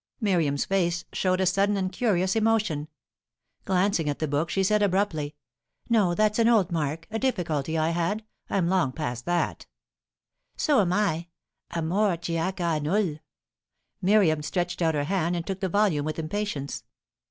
Miriam's face showed a sudden and curious emotion. Glancing at the book, she said abruptly: "No; that's an old mark a difficulty I had. I'm long past that." "So am I. 'Amor ch'a null' '" Miriam stretched out her hand and took the volume with impatience.